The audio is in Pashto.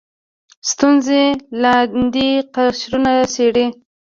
ستونزې لاندیني قشرونه څېړي